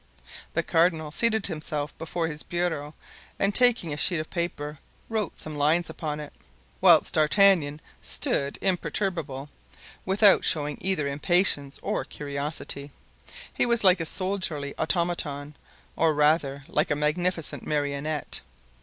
The cardinal seated himself before his bureau and taking a sheet of paper wrote some lines upon it, whilst D'Artagnan stood imperturbable, without showing either impatience or curiosity. He was like a soldierly automaton, or rather, like a magnificent marionette.